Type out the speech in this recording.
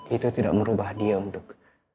itu tidak merubah dia untuk